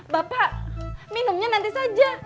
bapak minumnya nanti saja